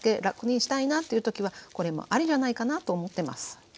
楽にしたいなという時はこれもありじゃないかなと思ってます。